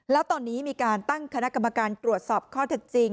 แล้วตอนนี้มีการตั้งคณะกรรมการตรวจสอบข้อเท็จจริง